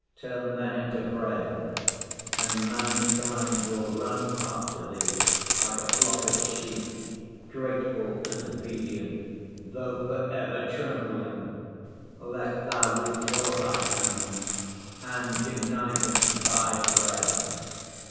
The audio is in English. Turn them into bread, and mankind will run after Thee like a flock of sheep, grateful and obedient, though for ever trembling, lest Thou withdraw Thy hand and deny them Thy bread."